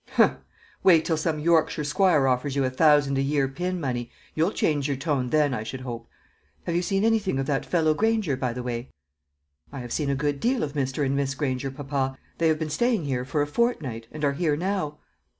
"Humph! Wait till some Yorkshire squire offers you a thousand a year pin money; you'll change your tone then, I should hope. Have you seen anything of that fellow Granger, by the way?" "I have seen a good deal of Mr. and Miss Granger, papa. They have been staying here for a fortnight, and are here now."